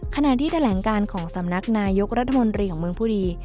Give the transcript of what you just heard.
ขณะที่แถลงการของสำนักนายกรัฐมนตรีของเมืองบุรี